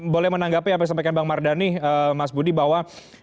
boleh menanggapi apa yang disampaikan bang mardhani mas budi bahwa